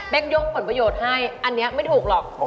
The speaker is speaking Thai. ยกผลประโยชน์ให้อันนี้ไม่ถูกหรอก